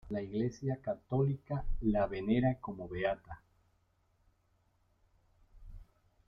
La Iglesia católica la venera como beata.